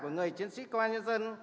của người chiến sĩ công an nhân dân